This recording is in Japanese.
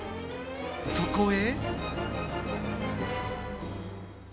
そこへ。